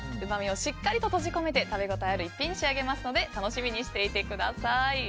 うまみをしっかり閉じ込めて食べ応えのある一品に仕上げますので楽しみにしていてください。